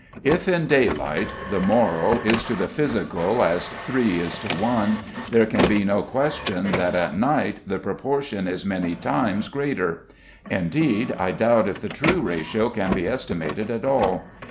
If in daylight the moral is to the physical, as three is to one, there can be no question that at night the proportion is many times greater. Indeed, I doubt if the true ratio can be estimated at all.